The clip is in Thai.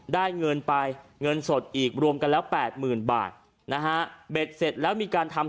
ได้เงินไปเงินสดอีกรวมกันแล้วแปดหมื่นบาทนะฮะเบ็ดเสร็จแล้วมีการทำ